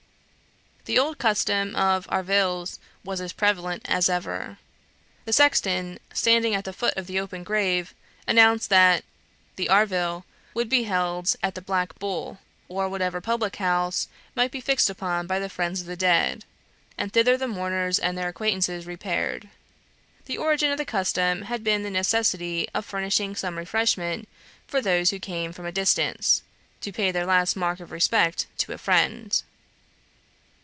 The old custom of "arvills" was as prevalent as ever. The sexton, standing at the foot of the open grave, announced that the "arvill" would be held at the Black Bull, or whatever public house might be fixed upon by the friends of the dead; and thither the mourners and their acquaintances repaired. The origin of the custom had been the necessity of furnishing some refreshment for those who came from a distance, to pay the last mark of respect to a friend.